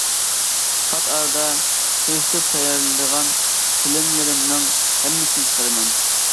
پات ئارىدا كىرىشتۈرۈپ تەييارلىغان فىلىملىرىمنىڭ ھەممىسىنى چىقىرىمەن.